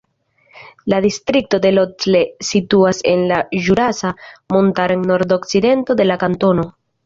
La distrikto Le Locle situas en la Ĵurasa Montaro en nordokcidento de la kantono.